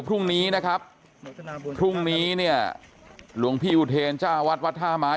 พรุ่งนี้นะครับพรุ่งนี้เนี่ยหลวงพี่อุเทรจ้าวัดวัดท่าไม้